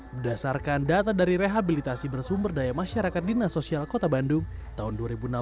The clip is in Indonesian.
berdasarkan data dari rehabilitasi bersumber daya masyarakat dinas sosial kota bandung tahun dua ribu enam belas